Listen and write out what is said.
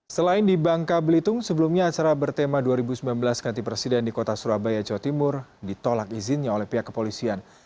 selain di bangka belitung sebelumnya acara bertema dua ribu sembilan belas ganti presiden di kota surabaya jawa timur ditolak izinnya oleh pihak kepolisian